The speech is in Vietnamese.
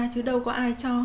chứ đâu có ai cho